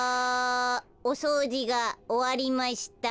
おそうじがおわりました。